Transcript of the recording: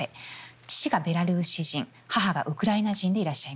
父がベラルーシ人母がウクライナ人でいらっしゃいます。